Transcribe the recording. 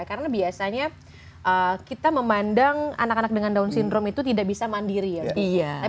karena biasanya kita memandang anak anak dengan down syndrome itu tidak bisa mandiri ya